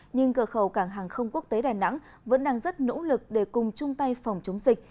nhưng cửa khẩu cảng hàng không quốc tế đà nẵng vẫn đang rất nỗ lực để cùng chung tay phòng chống dịch